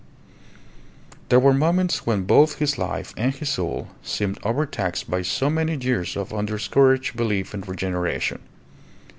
There were moments when both his life and his soul seemed overtaxed by so many years of undiscouraged belief in regeneration.